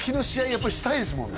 やっぱりしたいですもんね